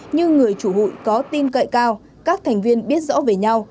nhưng người chủ hội có tin cậy cao các thành viên biết rõ về nhau